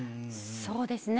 そうですね